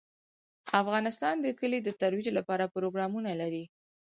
افغانستان د کلي د ترویج لپاره پروګرامونه لري.